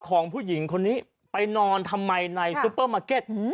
ของผู้หญิงคนนี้ไปนอนทำไมในซุปเปอร์มาร์เก็ต